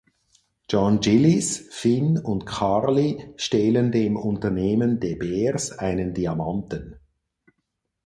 John Gillis, Vin und Carly stehlen dem Unternehmen De Beers einen Diamanten.